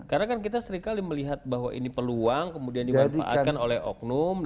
karena kan kita seringkali melihat bahwa ini peluang kemudian dimanfaatkan oleh oknum